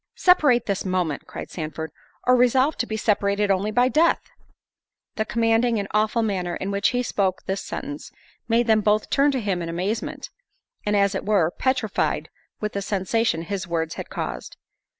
"Separate this moment," cried Sandford, "or resolve to be separated only by—death." The commanding and awful manner in which he spoke this sentence, made them both turn to him in amazement, and as it were, petrified with the sensation his words had caused.